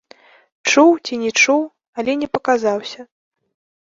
Чуў ці не чуў, але не паказаўся.